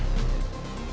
abis ini makan dulu ya